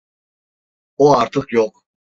O artık yok.